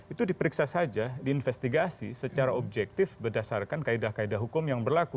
itu diperiksa saja diinvestigasi secara objektif berdasarkan kaedah kaedah hukum yang berlaku